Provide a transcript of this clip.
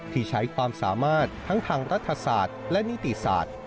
ที่ใช้ความสามารถทั้งทางรัฐศาสตร์และนิติศาสตร์